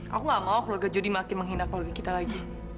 aku gak mau keluarga jody makin menghina keluarga kita lagi